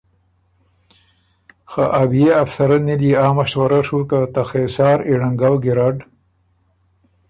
خه ا بئے افسرنّی ليې آ مشورۀ ڒُوک که ته خېسار ای ړنګؤ ګېرډ